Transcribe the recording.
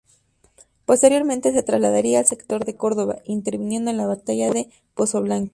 Posteriormente se trasladaría al sector de Córdoba, interviniendo en la batalla de Pozoblanco.